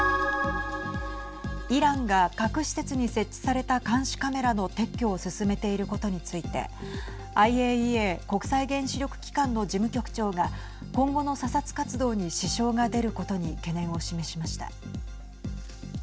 イランが核施設に設置された監視カメラの撤去を進めていることについてＩＡＥＡ＝国際原子力機関の事務局長が今後の査察活動に支障が出ることに懸念を示しました。